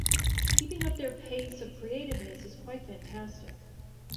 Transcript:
Keeping up their pace of creativeness is quite fantastic.